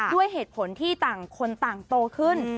ด้วยเหตุผลที่ต่างคนต่างโตขึ้น